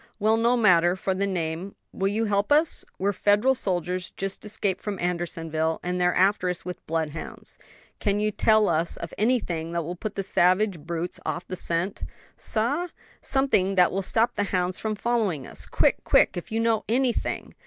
"Well, no matter for the name; will you help us? We're Federal soldiers just escaped from Andersonville, and they're after us with bloodhounds. Can you tell us of anything that will put the savage brutes off the scent?" "Sah?" "Something that will stop the hounds from following us quick, quick! if you know anything."